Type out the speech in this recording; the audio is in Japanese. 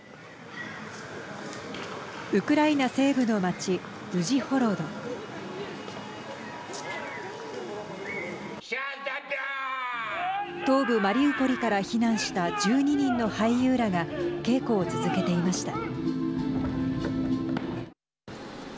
ウクライナ西部の街ウジホロド東部マリウポリから避難した１２人の俳優らが稽古を続けていました。